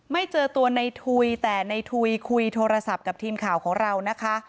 ไม่เจอตัวในทุยแต่ในทุยคุยโทรศัพท์กับทีมข่าวของเรานะคะ